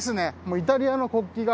イタリアの国旗が。